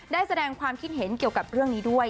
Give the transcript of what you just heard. ได้แสดงความคิดเห็นเกี่ยวกับเรื่องนี้ด้วย